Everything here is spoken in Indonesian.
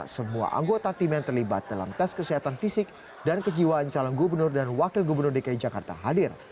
semua anggota tim yang terlibat dalam tes kesehatan fisik dan kejiwaan calon gubernur dan wakil gubernur dki jakarta hadir